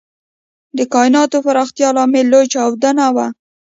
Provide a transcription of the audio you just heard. د کائناتو پراختیا لامل لوی چاودنه وه.